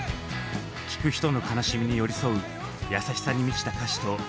聴く人の悲しみに寄り添う優しさに満ちた歌詞とメロディー。